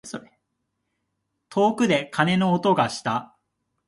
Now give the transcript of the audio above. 遠くで鐘の音がした。